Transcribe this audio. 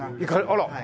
あら。